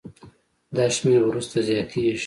دا شمېر وروسته زیاتېږي.